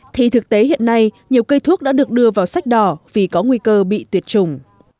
thì thực tế hiện nay nhiều cây thuốc đã được đưa vào sách đỏ vì có nguy cơ bị tuyệt chủng